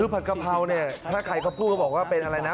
คือผัดกะเพราะถ้าใครก็พูดก็บอกว่าเป็นอะไรนะ